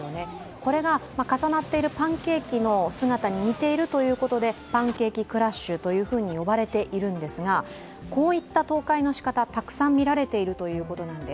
これが重なっているパンケーキの姿に似ているということでパンケーキクラッシュというふうに呼ばれているんですが、こういった倒壊のしかた、たくさん見られているということなんです。